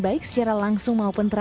baik secara langsung maupun